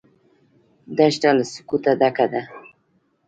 دښته له سکوته ډکه ده.